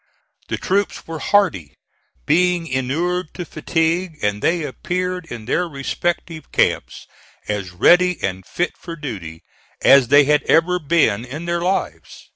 The troops were hardy, being inured to fatigue, and they appeared in their respective camps as ready and fit for duty as they had ever been in their lives.